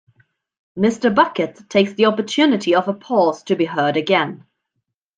Mr. Bucket takes the opportunity of a pause to be heard again.